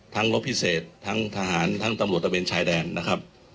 รถพิเศษทั้งทหารทั้งตำรวจตะเวนชายแดนนะครับ